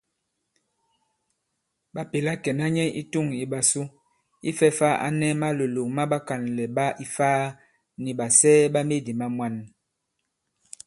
Ɓa pèla kɛ̀na nyɛ i tûŋ ìɓàsu ifɛ̄ fā a nɛ malòlòk ma ɓakànlɛ̀ ɓa Ifaa nì ɓàsɛɛ ɓa medì ma mwan.